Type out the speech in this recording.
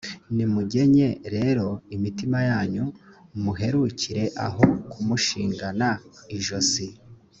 nimugenye rero imitima yanyu, muherukire aho kumushingana ijosi,